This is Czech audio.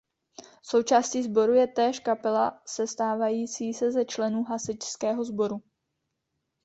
Součástí sboru je též kapela sestávající se ze členů hasičského sboru.